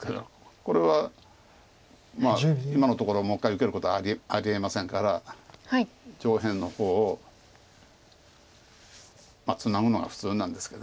これは今のところもう１回受けることはありえませんから上辺の方をツナぐのが普通なんですけど。